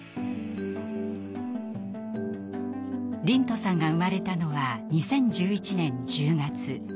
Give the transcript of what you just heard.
龍翔さんが生まれたのは２０１１年１０月。